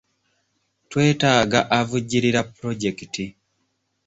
Twetaaga avujjirira pulojekiti.